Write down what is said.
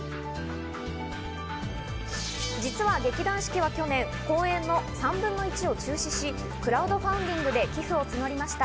実は劇団四季は去年公演の３分の１を中止し、クラウドファンディングで寄付を募りました。